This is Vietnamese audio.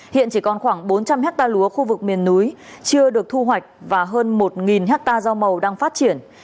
hiện chỉ còn khoảng bốn trăm linh hectare lúa khu vực miền núi chưa được thu hoạch và hơn một hectare rau màu đang phát triển